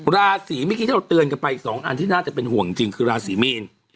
ราศีเมื่อกี้ที่เราเตือนกันไปอีก๒อันที่น่าจะเป็นห่วงจริงคือราศีมีน